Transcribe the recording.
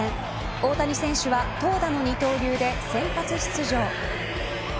大谷選手は投打の二刀流で先発出場。